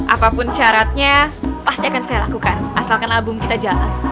apapun syaratnya pasti akan saya lakukan asalkan album kita jalan